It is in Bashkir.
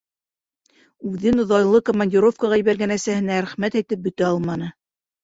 Үҙен оҙайлы командировкаға ебәргән әсәһенә рәхмәт әйтеп бөтә алманы.